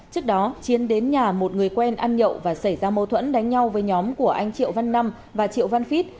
trước đó chiến đến nhà một người quen ăn nhậu và xảy ra mâu thuẫn đánh nhau với nhóm của anh triệu văn năm và triệu văn phít